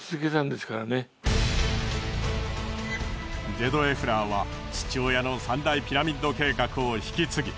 ジェドエフラーは父親の三大ピラミッド計画を引き継ぎ